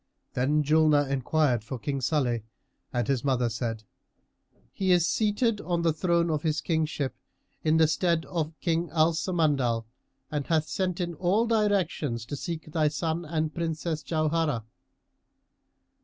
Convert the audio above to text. Then Julnar enquired for King Salih, and his mother said, "He is seated on the throne of his kingship, in the stead of King Al Samandal, and hath sent in all directions to seek thy son and Princess Jauharah."